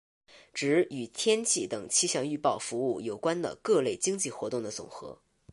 指与天气等气象预报服务有关的各类经济活动的总和。